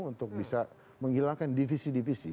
untuk bisa menghilangkan divisi divisi